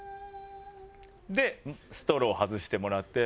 でストローを外してもらって。